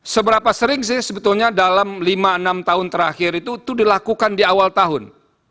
seberapa sering sih sebetulnya dalam lima enam tahun terakhir itu dilakukan di awal tahun